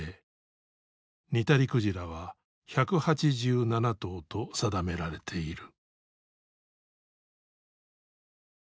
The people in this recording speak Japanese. ニタリクジラは１８７頭と定められている。